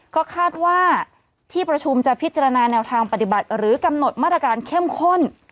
ก็คาดว่าที่ประชุมจะพิจารณาแนวทางปฏิบัติหรือกำหนดมาตรการเข้มข้น